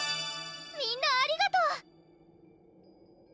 みんなありがとう！